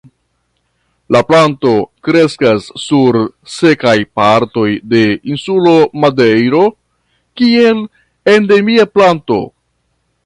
La planto kreskas sur sekaj partoj de insulo Madejro kiel endemia planto.